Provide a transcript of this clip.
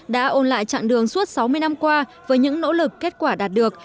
đã ôn lại chặng đường suốt sáu mươi năm qua với những nỗ lực kết quả đạt được